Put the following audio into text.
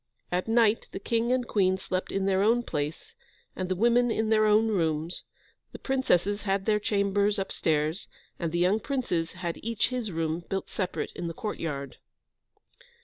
At night the King and Queen slept in their own place, and the women in their own rooms; the princesses had their chambers upstairs, and the young princes had each his room built separate in the courtyard.